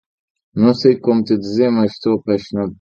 Não sei como te dizer, mas estou apaixonado por ti.